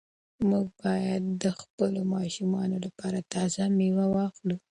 موږ باید د خپلو ماشومانو لپاره تازه مېوې واخلو.